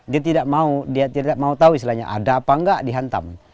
dia tidak mau dia tidak mau tahu istilahnya ada apa enggak dihantam